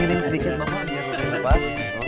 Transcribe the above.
miring sedikit bapak